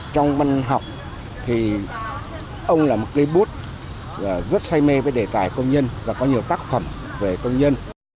trong văn học thì ông là một cây bút rất say mê với đề tài công nhân và có nhiều tác phẩm về công nhân